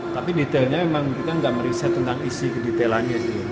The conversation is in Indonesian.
tapi detailnya memang kita enggak meriset tentang isi kedetailannya